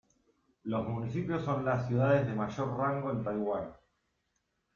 Los municipios son las ciudades de mayor rango en Taiwán.